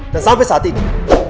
dan sampai saat ini